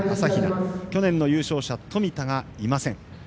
そして去年の優勝者冨田がいません。